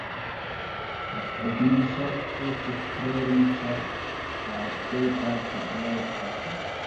La provinco estis tre riĉa kaj plejparte greka.